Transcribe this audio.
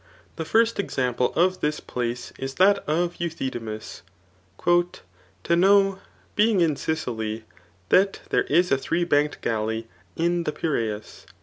The first example of this place is that of Euthydemus, *^ To know, being in Sicily, that* diere b a three banked galley in the Piraeus.'